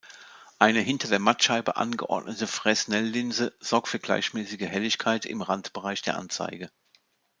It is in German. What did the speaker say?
Eine hinter der Mattscheibe angeordnete Fresnel-Linse sorgt für gleichmäßige Helligkeit im Randbereich der Anzeige.